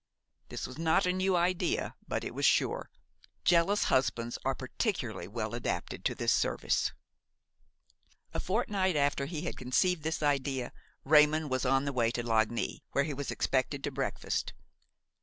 This was not a new idea, but it was sure; jealous husbands are particularly well adapted to this service. A fortnight after he had conceived this idea, Raymon was on the way to Lagny, where he was expected to breakfast.